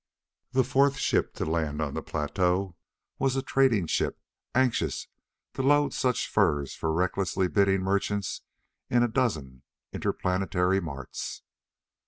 The fourth ship to land on the plateau was a trading ship anxious to load such furs for recklessly bidding merchants in a dozen interplanetary marts.